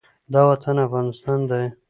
دا وطن افغانستان دی،